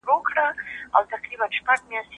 کافي اوبه د روژې پر مهال اړینې دي.